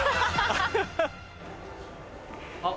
あっ。